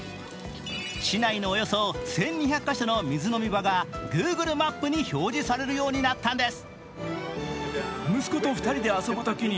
市内のおよそ１２００か所の水飲み場がＧｏｏｇｌｅマップに表示されるようになったんです。